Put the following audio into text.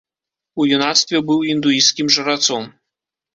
У юнацтве быў індуісцкім жрацом.